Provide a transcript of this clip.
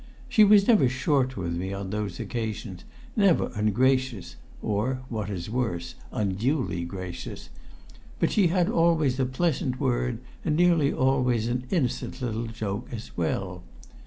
She was never short with me on those occasions, never ungracious or (what is worse) unduly gracious, but she had always a pleasant word, and nearly always an innocent little joke as well.